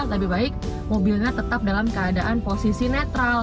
lebih baik mobilnya tetap dalam keadaan posisi netral